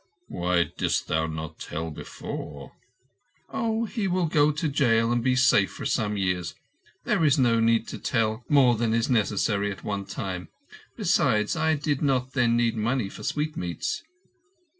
"Why didst thou not tell before?" "Oh, he will go to jail, and be safe for some years. There is no need to tell more than is necessary at any one time. Besides, I did not then need money for sweetmeats."